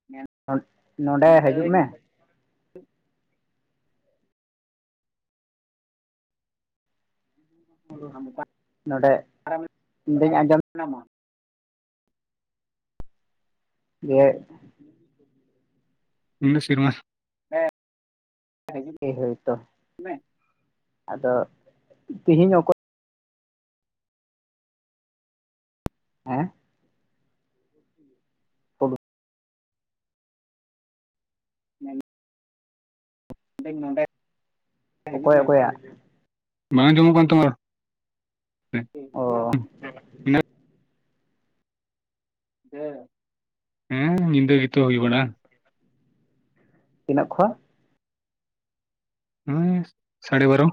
[inaudible] ᱱᱚᱸᱰᱮ ᱦᱟᱡᱩᱜ ᱢᱮ ᱱᱚᱸᱰᱮ ᱱᱚᱰᱮᱧ ᱟᱸᱡᱚᱢ ᱚᱱᱟ ᱢᱟ ᱡᱮ ᱤᱧᱫᱚ ᱥᱮᱨᱢᱟ ᱦᱮᱸ ᱦᱳᱭᱛᱚ ᱟᱫᱚ ᱛᱤᱦᱤᱧ ᱚᱠᱚᱭ ᱦᱮᱸ [unintelligible] [inaudible] ᱢᱮᱱᱫᱟᱹᱧ [unintelligible] ᱱᱚᱸᱰᱮ ᱦᱤᱡᱩᱜ ᱢᱮ, ᱵᱟᱝ ᱡᱚᱢᱚᱜ ᱠᱟᱱ ᱛᱟᱢᱟ ᱦᱮᱸ [unintelligible] ᱦᱮᱸ, ᱦᱮᱸ ᱧᱤᱫᱟᱹ ᱜᱮᱛᱚ ᱦᱩᱭ ᱵᱟᱲᱟᱜ-ᱟ ᱛᱤᱱᱟᱹᱜ ᱠᱷᱚᱱ ᱦᱮᱸ ᱥᱟᱲᱮ ᱵᱟᱨᱚ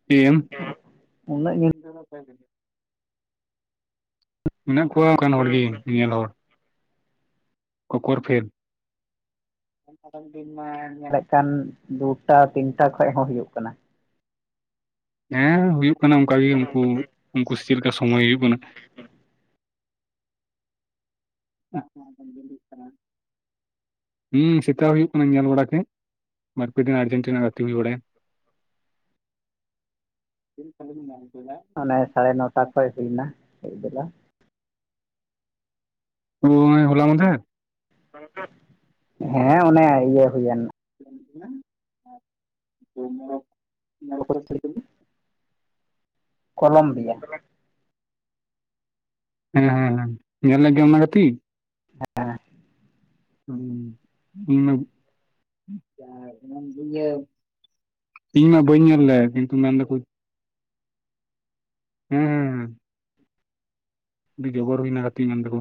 [unintelligible] ᱢᱮᱱᱟᱜ ᱠᱚᱣᱟ ᱚᱝᱠᱟᱱ ᱦᱚᱲᱜᱤ ᱧᱮᱧᱮᱞ ᱦᱚᱲ ᱠᱚᱠᱚᱨ ᱯᱷᱮᱹᱞ ᱢᱟᱲᱟᱝ ᱫᱤᱱ ᱢᱟ ᱤᱱᱟᱹᱜ ᱠᱷᱟᱱ ᱫᱩᱴᱟ ᱛᱤᱱᱴᱟ ᱠᱷᱚᱡ ᱦᱚᱸ ᱦᱩᱭᱩᱜ ᱠᱟᱱᱟ᱾ ᱦᱮᱸ ᱦᱩᱭᱩᱜ ᱠᱟᱱᱟ ᱚᱝᱠᱟᱜᱮ ᱩᱝᱠᱩ ᱩᱝᱠᱩ ᱪᱮᱞᱮᱠᱟ ᱥᱚᱢᱚᱭ ᱦᱩᱭᱩᱜ ᱠᱟᱱᱟ [unintelligible] [unintelligible] ᱦᱩᱸ ᱥᱮᱛᱟᱜ ᱦᱩᱭᱩᱜ ᱠᱟᱱᱟ ᱧᱮᱞ ᱵᱟᱲᱟ ᱠᱮᱫ ᱵᱟᱨᱯᱮ ᱫᱤᱱ ᱟᱨᱡᱮᱱᱴᱤᱱᱟ ᱜᱟᱛᱮ ᱦᱩᱭ ᱵᱟᱲᱟᱭᱮᱱ [unintelligible] ᱧᱟᱢ ᱠᱮᱫᱟ [unintelligible] [unintelligible] ᱦᱚᱸᱜ-ᱚᱭ ᱦᱚᱞᱟ ᱢᱟᱫᱷᱮᱨ ᱫᱚᱨᱠᱟᱨ ᱦᱮᱸ ᱚᱱᱮ [unintelligible] ᱠᱚᱞᱚᱢᱵᱤᱭᱟ ᱦᱮᱸ ᱦᱮᱸ ᱧᱮᱞ ᱞᱟᱹᱜᱤᱫ ᱮᱢ ᱚᱱᱟ ᱜᱟᱛᱤᱜ ᱦᱮᱸ ᱦᱩᱸ [unintelligible] [unintelligible] ᱤᱧ ᱢᱟ ᱵᱟᱹᱧ ᱧᱮᱞ ᱞᱮᱫ ᱠᱤᱱᱛᱩ ᱢᱮᱱᱫᱟᱠᱚ ᱦᱮᱸ ᱦᱮᱸ ᱦᱮᱸ ᱟᱹᱰᱤ ᱡᱚᱜᱚᱨ ᱦᱩᱭᱱᱟ ᱜᱟᱛᱮᱜ ᱢᱮᱱᱫᱟᱠᱚ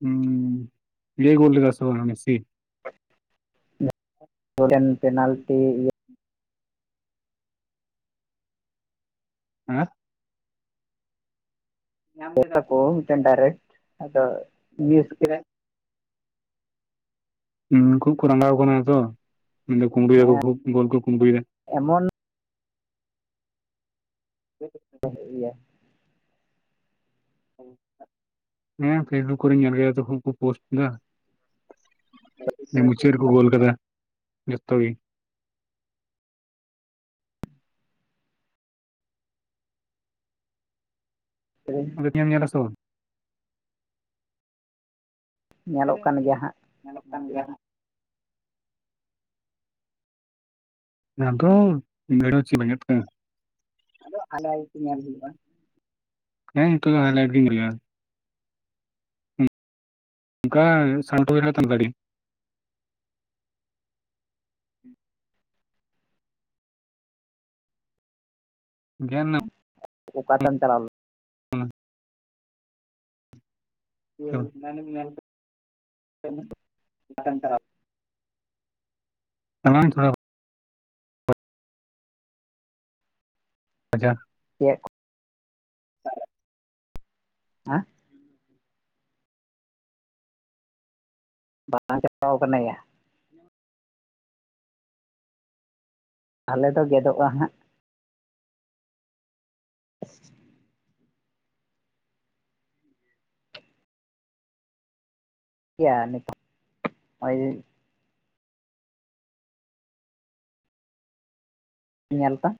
ᱦᱩᱸ ᱤᱭᱟᱹᱭ ᱜᱩᱞ ᱞᱮᱫᱟ ᱥᱮ ᱵᱟᱝ ᱢᱮᱥᱤ [unintelligible] ᱯᱮᱱᱟᱞᱴᱤ ᱤᱭᱟᱹ ᱦᱮᱸ ᱠᱚ ᱢᱤᱫᱴᱮᱱ ᱰᱟᱭᱨᱮᱠ ᱟᱫᱚ ᱤᱭᱟᱹ ᱦᱩᱸ ᱠᱷᱩᱵ ᱠᱚ ᱨᱟᱸᱜᱟᱣ ᱠᱟᱱᱟ ᱛᱚ ᱟᱫᱚ ᱠᱩᱢᱲᱩᱭ ᱫᱟᱠᱚ ᱠᱷᱩᱵ ᱵᱚᱞ ᱠᱚ ᱠᱩᱢᱲᱩᱭ ᱫᱟ ᱮᱢᱚᱱ ᱦᱩᱭᱩᱜ ᱜᱮᱭᱟ ᱦᱮᱸ ᱯᱷᱮᱥᱵᱩᱠ ᱠᱚᱨᱤᱧ ᱧᱮᱞ ᱠᱮᱫᱟ ᱛᱚ ᱠᱷᱩᱵ ᱠᱚ ᱯᱳᱥᱴ ᱫᱟ᱾ ᱢᱩᱪᱟᱹᱫ ᱨᱮᱠᱚ ᱜᱳᱞ ᱠᱟᱫᱟ ᱡᱚᱛᱚ ᱜᱮ᱾ ᱛᱮᱦᱮᱧ [unintelligible] ᱧᱮᱞᱟ ᱥᱮ ᱵᱟᱝ ᱧᱮᱞᱚᱜ ᱠᱟᱱ ᱜᱮᱭᱟ ᱦᱟᱸᱜ ᱧᱮᱞ ᱦᱩᱭᱩᱜ-ᱟ᱾ ᱱᱟᱫᱚᱢ ᱵᱷᱮᱲᱚᱪᱤ ᱵᱮᱜᱟᱲ ᱟᱫᱚᱜ ᱟᱞᱮᱭᱤᱡ ᱧᱮᱞ ᱦᱩᱭᱩᱜ-ᱟ ᱦᱮᱸ ᱱᱤᱛᱚᱜ ᱜᱤᱧ [unintelligible] ᱧᱩᱨᱩᱭᱟᱭ ᱚᱱᱠᱟ [unintelligible] ᱜᱟᱹᱰᱤ ᱜᱮ ᱱᱟᱢ ᱚᱠᱟᱛᱮᱢ ᱪᱟᱞᱟᱣ ᱱᱚᱴᱦᱟᱱᱮᱢ ᱧᱮᱞ ᱠᱮᱫ ᱥᱮ ᱟᱞᱤᱧᱟᱜ ᱚᱠᱟᱛᱮᱢ ᱪᱟᱞᱟᱣ ᱫᱟᱲᱟᱱ ᱛᱷᱚᱲᱟ ᱟᱪᱪᱷᱟ ᱮᱭᱟᱜ [unintelligible] ᱦᱮᱸ [unintelligible] ᱠᱟᱱᱟᱭᱟ ᱟᱞᱮ ᱫᱚ ᱜᱮᱫᱚᱜ-ᱟ ᱦᱟᱸᱜ᱾ [unintelligible] ᱤᱭᱟ ᱱᱤᱛᱚᱜ ᱦᱚᱭ ᱧᱮᱞ ᱛᱟ